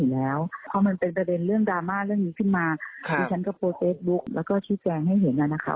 แล้วก็ชี้แจงให้เห็นน่ะนะคะ